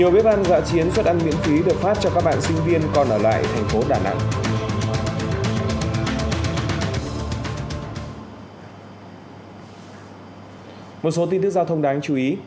một số tin tức giao thông đáng chú ý